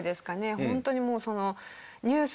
本当にもうそのニュース